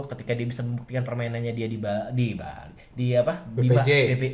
ketika dia bisa membuktikan permainannya dia di bpj